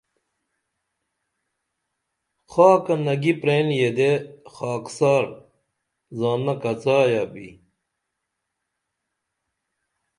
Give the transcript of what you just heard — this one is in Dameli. خاکہ نگی پرین یدے خاکسار زانہ کڅایا بھی